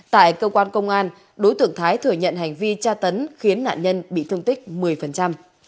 tại cơ quan công an đối tượng thái thừa nhận hành vi tra tấn khiến nạn nhân bị thương tích một mươi